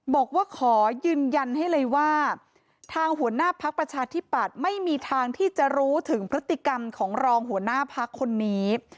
บอกว่าขอยืนยันให้เลยว่าทางหัวหน้าพักประชาธิปัตย์ไม่มีทางที่จะรู้ถึงพฤติกรรมของรองหัวหน้าพักคนนี้